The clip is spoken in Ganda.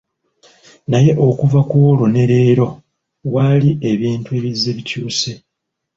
Naye okuva ku olwo ne leero wali ebintu ebizze bikyuka.